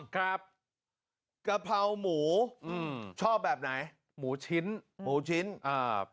กะเพราหมูอืมชอบแบบไหนหมูชิ้นหมูชิ้นอ่า